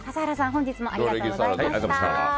本日もありがとうございました。